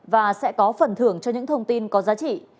và sẽ có phần thưởng cho những thông tin có giá trị